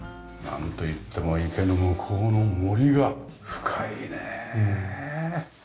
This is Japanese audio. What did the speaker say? なんといっても池の向こうの森が深いねえ。